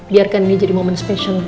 biarkan ini jadi moment special